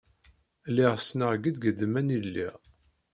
Lliɣ ssneɣ ged ged mani lliɣ.